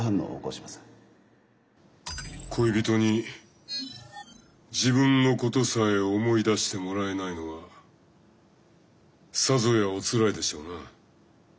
恋人に自分のことさえ思い出してもらえないのはさぞやおつらいでしょうな。